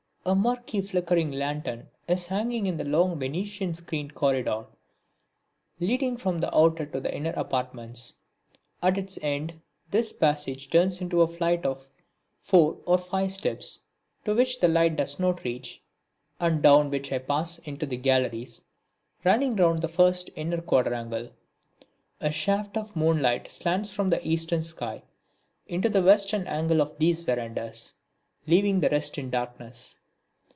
A murky flickering lantern is hanging in the long venetian screened corridor leading from the outer to the inner apartments. At its end this passage turns into a flight of four or five steps, to which the light does not reach, and down which I pass into the galleries running round the first inner quadrangle. A shaft of moonlight slants from the eastern sky into the western angle of these verandahs, leaving the rest in darkness.